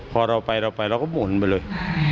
พอเราไปแล้วก็หมุนไปเลย